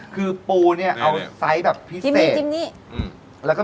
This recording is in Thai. คือของเราสดใหม่นะครับแล้วก็